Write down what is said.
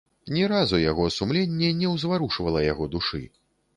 Ні разу яго сумленне не ўзварушвала яго душы.